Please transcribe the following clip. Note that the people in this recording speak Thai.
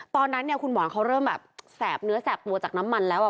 ตอนนั้นคุณหมอนเขาเริ่มแบบแสบเนื้อแสบตัวจากน้ำมันแล้ว